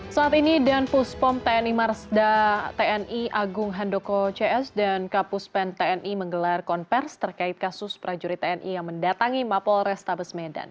saat ini dan puspom tni marsda tni agung handoko cs dan kapus pen tni menggelar konvers terkait kasus prajurit tni yang mendatangi mapol restabes medan